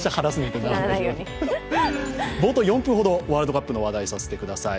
冒頭４分ほどワールドカップの話題をさせてください。